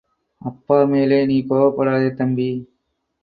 அப்பா மேலே நீ கோபப்படாதே, தம்பி.